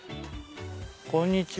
こんにちは。